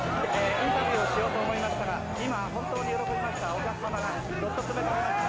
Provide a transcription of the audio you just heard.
インタビューをしようと思いましたが、今、本当に喜びましたお客様が、どっと詰めかけました。